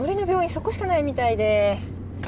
そこしかないみたいで。